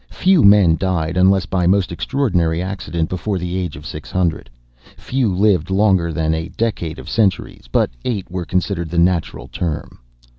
Few men died, unless by most extraordinary accident, before the age of six hundred; few lived longer than a decade of centuries; but eight were considered the natural term.